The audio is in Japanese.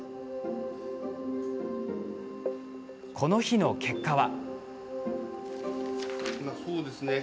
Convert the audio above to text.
この日の結果は。